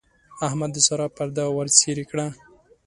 احمد د سارا پرده ورڅېرې کړه.